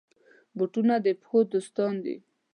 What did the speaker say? بوټونه د پښو دوستان دي.